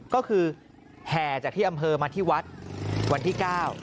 ก็คือแห่จากที่อำเภอมาที่วัดวันที่เก้า